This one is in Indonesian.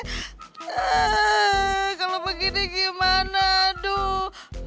eh kalo begini gimana aduh